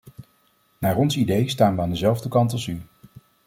Naar ons idee staan we aan dezelfde kant als u.